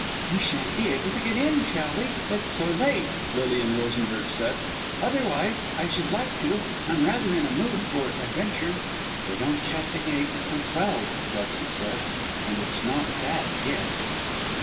"We shan't be able to get in, shall we, it's so late?" Lilian Rosenberg said. "Otherwise I should like to I'm rather in a mood for adventure." "They don't shut the gates till twelve," Kelson said, "and it's not that yet."